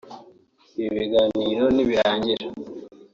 Ibi biganiro nibirangira